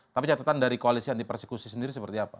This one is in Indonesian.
tapi catatan dari koalisi anti persekusi sendiri seperti apa